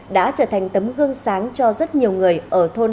đã trở thành tấm gương sáng cho rất nhiều người ở thôn